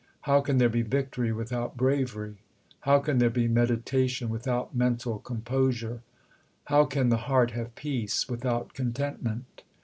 How can there be victory without bravery ? How can there be meditation without mental composure ? How can the heart have peace without contentment